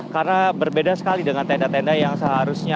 karena berbeda sekali dengan tenda tenda yang seharusnya